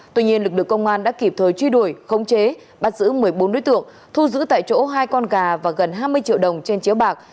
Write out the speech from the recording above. tuy nhiên lực lượng công an đã kịp thời truy đuổi khống chế bắt giữ một mươi bốn đối tượng thu giữ tại chỗ hai con gà và gần hai mươi triệu đồng trên chiếu bạc